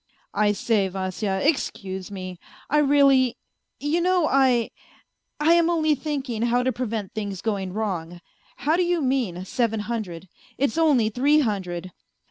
" I say, Vasya, excuse me; I really ... you know I ... I am only thinking how to prevent things going wrong. How do you mean, seven hundred ? It's only three hundred